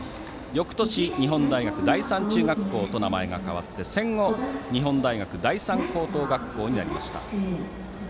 よくとし、日本大学第三中学校と名前が変わって戦後、日本大学第三高等学校になりました。